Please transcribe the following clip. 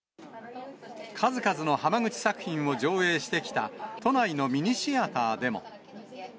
数々の濱口作品を上映してきた、都内のミニシアターでも。